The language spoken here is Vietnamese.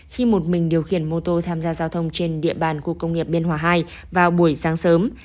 khi một mình điều khiển mô tô tham gia giao thông trên địa bàn khu công nghiệp biên hòa hai vào buổi sáng sớm